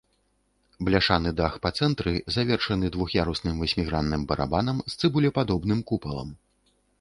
Бляшаны дах па цэнтры завершаны двух'ярусным васьмігранным барабанам з цыбулепадобным купалам.